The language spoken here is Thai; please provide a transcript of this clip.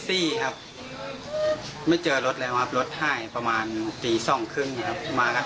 ครับไม่เจอรถแล้วครับรถหายประมาณตีสองครึ่งครับมาครับ